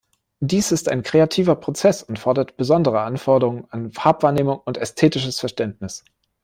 Dies ist ein kreativer Prozess und fordert besondere Anforderungen an Farbwahrnehmung und ästhetisches Verständnis.